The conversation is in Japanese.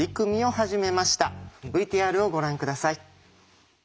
ＶＴＲをご覧下さい。